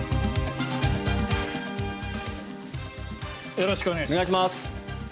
よろしくお願いします。